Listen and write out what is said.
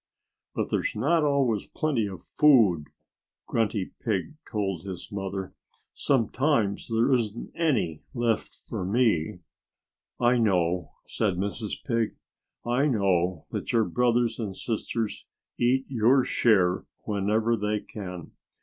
"But there's not always plenty of food," Grunty Pig told his mother. "Sometimes there isn't any left for me." "I know," said Mrs. Pig. "I know that your brothers and sisters eat your share whenever they can.